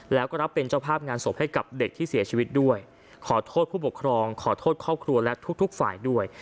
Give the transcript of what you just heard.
แล้วก็รับเป็นเจ้าภาพงานศพให้กับเด็กที่เสียชีวิตด้วยขอโทษผู้ปกครองขอโทษครอบครัวและทุกทุกฝ่ายด้วย